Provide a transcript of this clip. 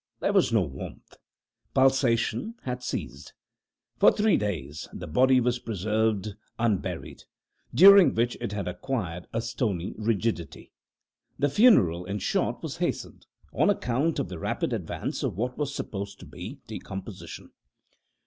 There was no warmth. Pulsation had ceased. For three days the body was preserved unburied, during which it had acquired a stony rigidity. The funeral, in short, was hastened, on account of the rapid advance of what was supposed to be decomposition.